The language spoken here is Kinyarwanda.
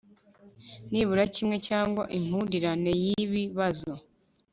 nibura kimwe cyangwa impurirane y ibi bazo